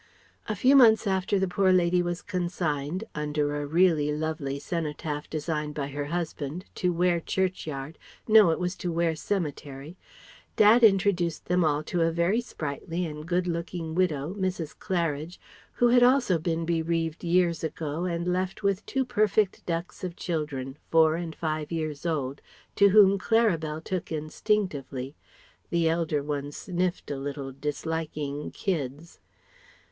A few months after the poor lady was consigned (under a really lovely cenotaph designed by her husband) to Ware Churchyard no, it was to Ware cemetery; Dad introduced them all to a very sprightly and good looking widow, Mrs. Claridge, who had also been bereaved years ago and left with two perfect ducks of children, four and five years old, to whom Claribel took instinctively (the elder ones sniffed a little, disliking "kids").